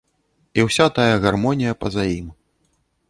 І ўся тая гармонія па-за ім.